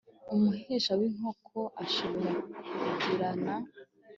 umuhesha w inkiko ashobora kugirana